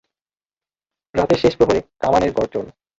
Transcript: রাতের শেষ প্রহরে কামানের গর্জন।